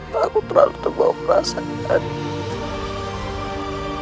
takut terlalu terbawa perasaan kita